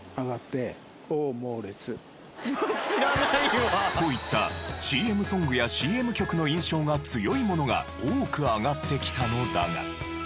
知らないわ。といったＣＭソングやＣＭ曲の印象が強いものが多く挙がってきたのだが。